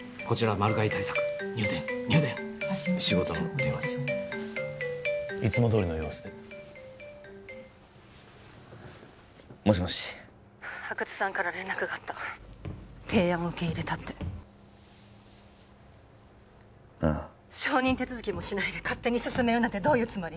入電入電・発信元の位置情報の割り出し仕事の電話ですいつもどおりの様子でもしもし☎阿久津さんから連絡があった提案を受け入れたってああ承認手続きもしないで勝手に進めるなんてどういうつもり？